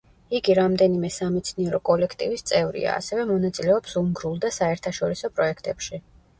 იგი რამდენიმე სამეცნიერო კოლექტივის წევრია, ასევე მონაწილეობს უნგრულ და საერთაშორისო პროექტებში.